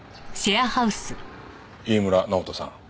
飯村直人さん。